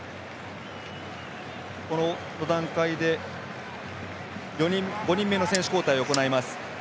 この段階で５人目の選手交代を行います。